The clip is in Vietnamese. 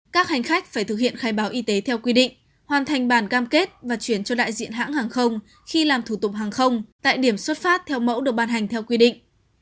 các hành khách phải thực hiện khai báo y tế theo quy định hoàn thành bản cam kết và chuyển cho đại diện hãng hàng không khi làm thủ tục hàng không tại điểm xuất phát theo mẫu được ban hành theo quy định